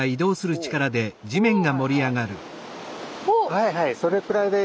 はいはいそれくらいで。